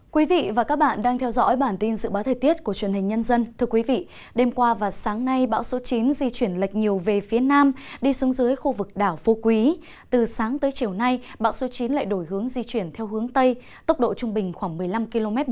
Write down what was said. các bạn hãy đăng ký kênh để ủng hộ kênh của chúng mình nhé